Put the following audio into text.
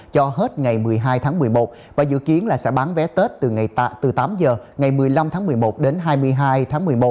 cho hết ngày một mươi hai tháng một mươi một và dự kiến sẽ bán vé tết từ tám giờ ngày một mươi năm tháng một mươi một đến hai mươi hai tháng một mươi một